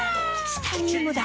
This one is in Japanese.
チタニウムだ！